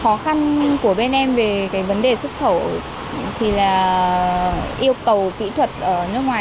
khó khăn của bên em về cái vấn đề xuất khẩu thì là yêu cầu kỹ thuật ở nước ngoài